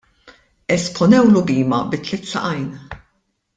Esponewlu bhima bi tliet saqajn.